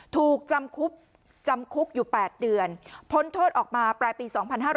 ถูกจำคุกอยู่๘เดือนพ้นโทษออกมาปรายปี๒๕๖๒